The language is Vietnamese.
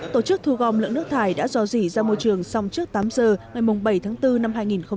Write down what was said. tổ chức thu gom lượng nước thải đã dò dỉ ra môi trường xong trước tám giờ ngày bảy tháng bốn năm hai nghìn hai mươi